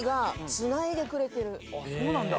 あっそうなんだ。